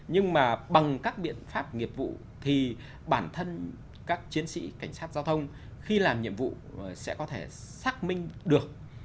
nhưng mà bằng các biện pháp nghiệp vụ thì bản thân các chiến sĩ cảnh sát giao thông khi làm nhiệm vụ sẽ có thể xác minh được